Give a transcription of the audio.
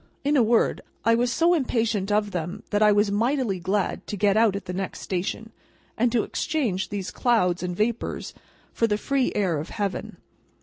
In a word, I was so impatient of them, that I was mightily glad to get out at the next station, and to exchange these clouds and vapours for the free air of Heaven.